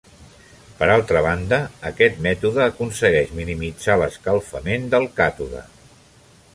Per altra banda, aquest mètode aconsegueix minimitzar l'escalfament del càtode.